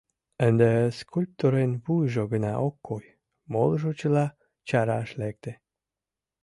Ынде скульпторын вуйжо гына ок кой, молыжо чыла чараш лекте.